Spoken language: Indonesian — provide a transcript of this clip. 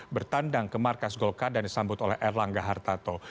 bertandang ke markas golkar dan disambut oleh erlangga hartarto